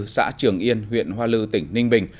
xã trường yên huyện hoa lư tỉnh ninh bình